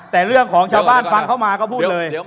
แต่เรื่องของชาวบ้านฟังเข้ามาก็พูดเลย